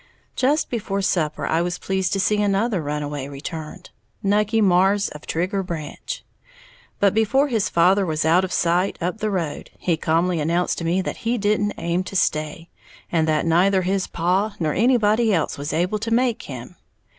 Just before supper I was pleased to see another runaway returned, Nucky Marrs, of Trigger Branch. But before his father was out of sight up the road, he calmly announced to me that he didn't aim to stay, and that neither his paw nor anybody else was able to make him.